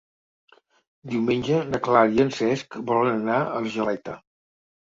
Diumenge na Clara i en Cesc volen anar a Argeleta.